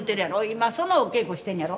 今そのお稽古してんねんやろ。